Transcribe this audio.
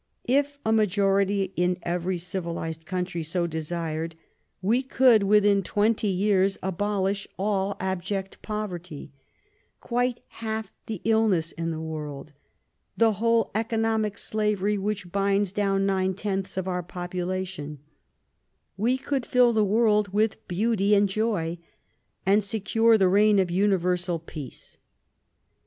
If a majority in every civilized country so desired, we could, within twenty years, abolish all abject poverty, quite half the illness in the world, the whole economic slavery which binds down nine tenths of our population; we could fill the world with beauty and joy, and secure the reign of universal peace.